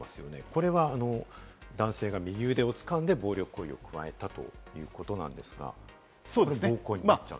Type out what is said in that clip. これは男性が右腕を掴んで暴力行為を加えたということなんですが、暴行になっちゃうと。